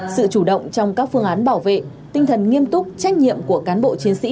sự chủ động trong các phương án bảo vệ tinh thần nghiêm túc trách nhiệm của cán bộ chiến sĩ